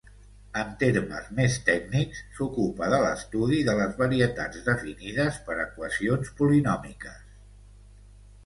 En termes més tècnics, s'ocupa de l'estudi de les varietats definides per equacions polinòmiques.